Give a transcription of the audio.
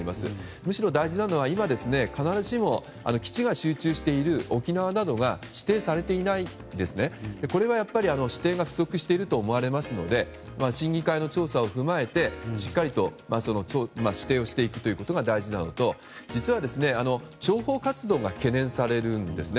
むしろ大事なのは、今基地が集中している沖縄などが指定されていないんですね。これは指定が不足していると思われますので審議会の調査を含めてしっかりと指定をしていくということが大事なのと実は、諜報活動が懸念されるんですね。